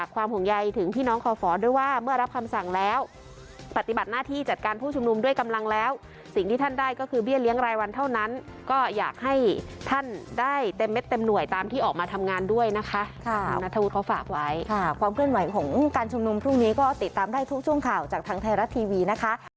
ความเพื่อนไหวของการชงนมพรุ่งนี้ก็ติดตามได้ทุกช่วงข่าวจากทางไทยรัฐทีวีนะคะ